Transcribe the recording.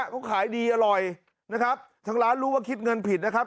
เขาขายดีอร่อยนะครับทางร้านรู้ว่าคิดเงินผิดนะครับ